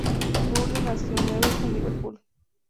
Brunner nació en Everton, Liverpool.